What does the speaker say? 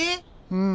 うん。